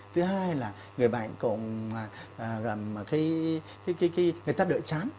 thứ hai là người bệnh cũng gầm người ta đợi chán